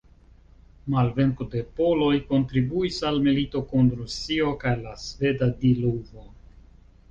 Malvenko de poloj kontribuis al milito kun Rusio kaj la sveda diluvo.